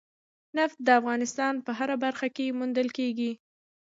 نفت د افغانستان په هره برخه کې موندل کېږي.